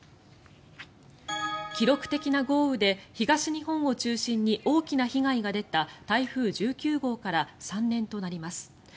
記録的な豪雨で東日本を中心に大きな被害が出た台風１９号から３年となります。